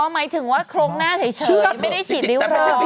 อ๋อหมายถึงว่าโครงหน้าเฉยไม่ได้ฉีดริ้วเลย